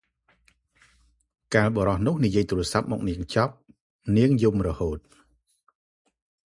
កាលបុរសនោះនិយាយទូរស័ព្ទមកនាងចប់ នាងយំរហូត ។